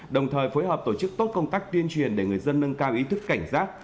đồng thời phối hợp tổ chức tốt công tác tuyên truyền để người dân nâng cao ý thức cảnh giác